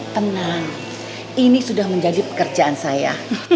tenang ini sudah menjadi pekerjaan saya